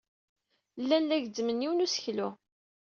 Llan la gezzmen yiwen n useklu.